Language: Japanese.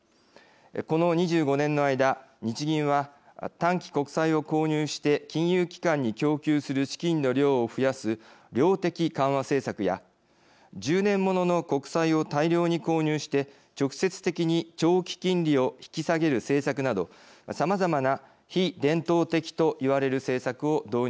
この２５年の間日銀は短期国債を購入して金融機関に供給する資金の量を増やす量的緩和政策や１０年ものの国債を大量に購入して直接的に長期金利を引き下げる政策などさまざまな非伝統的といわれる政策を導入してきました。